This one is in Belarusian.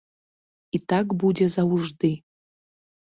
І так будзе заўжды.